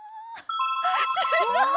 すごい！